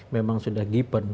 memang sudah given